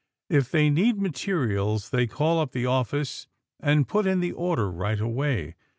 If they need materials, they call up the office and put in the order right away.